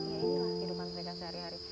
ya itulah kehidupan mereka sehari hari